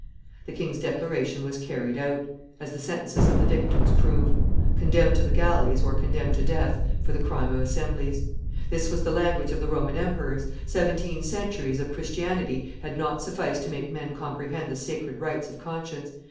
The king's declaration was carried out, as the sentences of the victims prove: Condemned to the galleys, or condemned to death for the crime of assemblies." This was the language of the Roman emperors. Seventeen centuries of Christianity had not sufficed to make men comprehend the sacred rights of conscience.